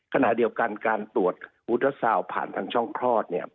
ขณะเดียวกันการตรวจอัลโตซาลผ่านทางช่องพรอด